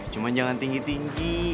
cuma jangan tinggi tinggi